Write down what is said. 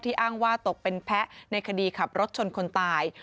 อ้างว่าตกเป็นแพ้ในคดีขับรถชนคนตาย